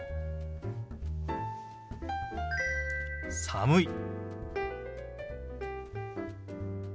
「寒い」。